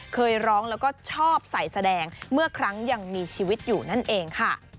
เคยร้องแล้วก็ชอบใส่แสดงเมื่อครั้งยังมีชีวิตอยู่นั่นเองค่ะ